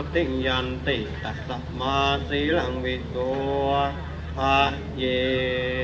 อธินาธาเวระมะนิสิขาปะทังสมาธิยามี